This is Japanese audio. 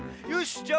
よし！